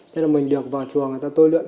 thế là mình được vào chùa người ta tôi lượ